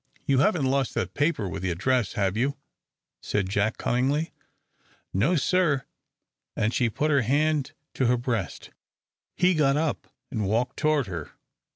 "You haven't lost that paper with the address, have you?" said Jack, cunningly. "No, sir," and she put her hand to her breast. He got up and walked toward her.